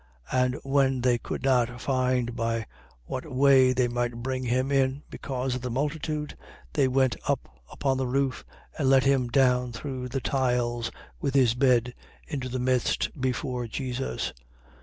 5:19. And when they could not find by what way they might bring him in, because of the multitude, they went up upon the roof and let him down through the tiles with his bed into the midst before Jesus.